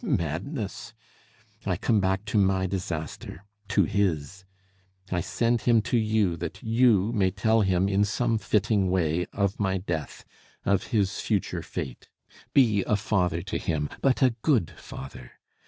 Madness! I come back to my disaster to his. I send him to you that you may tell him in some fitting way of my death, of his future fate. Be a father to him, but a good father.